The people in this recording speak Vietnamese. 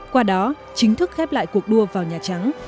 qua đó chính thức khép lại cuộc đua vào nhà trắng